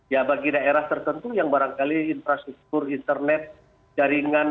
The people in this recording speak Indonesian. ya bagi daerah tertentu yang barangkali infrastruktur internet jaringan